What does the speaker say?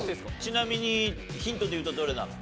ちなみにヒントでいうとどれなの？